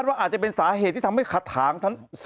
คาดว่าอาจจะเป็นสาเหตุที่ทำให้ขาดถาง